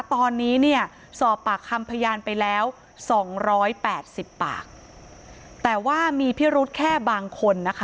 ตอนนี้เนี่ยสอบปากคำพยานไปแล้ว๒๘๐ปาก